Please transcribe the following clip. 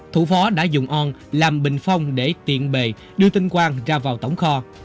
thủ phó đã dùng on làm bình phong để tiện bề đưa tin quang ra vào tổng kho